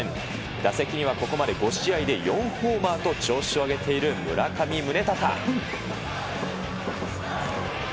打席には、ここまで５試合で４ホーマーと調子を上げている村上宗隆。